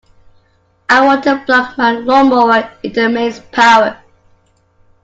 I want to plug my lawnmower into mains power